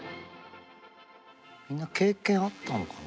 みんな経験あったのかな？